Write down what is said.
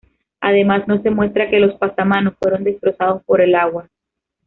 Además no se muestra que los pasamanos fueron destrozados por el agua.